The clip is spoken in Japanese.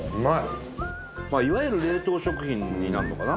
伊達：いわゆる冷凍食品になるのかな。